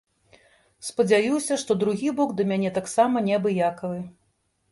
Спадзяюся, што другі бок да мяне таксама неабыякавы.